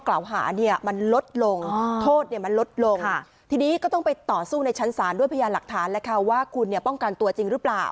กล่าวหาเนี่ยมันลดลงโทษเนี่ยมันลดลงทีนี้ก็ต้องไปต่อสู้ในชั้นศาลด้วยพยานหลักฐานแล้วค่ะว่าคุณเนี่ยป้องกันตัวจริงหรือเปล่า